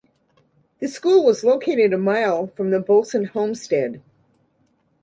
The school was located a mile from the Boesen homestead.